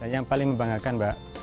yang paling membanggakan